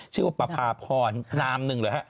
ชื่อว่าปะพาพรนามหนึ่งหรือฮะ